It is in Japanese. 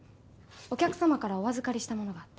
お客様からお預かりしたものがあって。